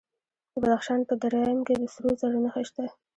د بدخشان په درایم کې د سرو زرو نښې شته.